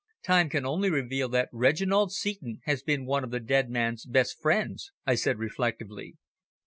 "Time can only reveal that Reginald Seton has been one of the dead man's best friends," I said reflectively.